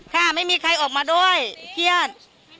ค่ะไม่มีใครออกมาด้วยเครียด